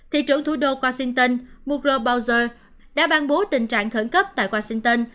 thị trưởng thủ đô washington mugler bowser đã ban bố tình trạng khẩn cấp tại washington